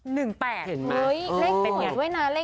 เห็นมั้ย